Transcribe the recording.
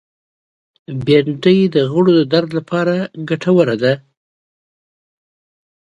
بېنډۍ د غړو د درد لپاره ګټوره ده